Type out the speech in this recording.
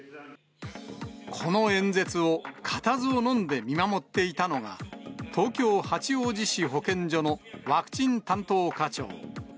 この演説を固唾をのんで見守っていたのが、東京・八王子市保健所のワクチン担当課長。